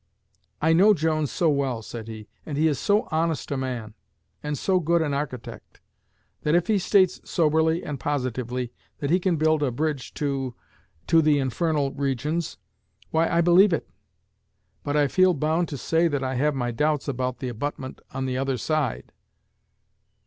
'I know Jones so well,' said he, 'and he is so honest a man, and so good an architect, that if he states soberly and positively that he can build a bridge to ... to ... the infernal regions, why, I believe it; but I feel bound to say that I have my doubts about the abutment on the other side.'